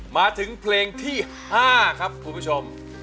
มาถึงเพลงที่๕ครับคุณผู้ชม